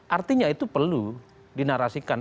artinya itu perlu dinarasikan